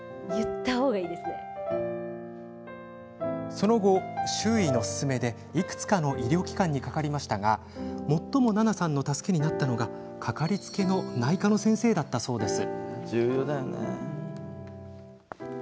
その後、周囲の勧めでいくつかの医療機関にかかりましたが最も奈々さんの助けになったのが掛かりつけの内科の先生だったそうです。